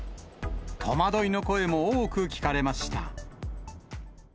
戸惑いの声も多く聞かれました。